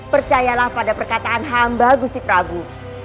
percayalah pada perkataan hamba gusti prabu